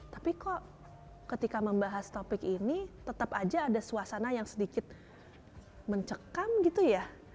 tapi kok ketika membahas topik ini tetap aja ada suasana yang sedikit mencekam gitu ya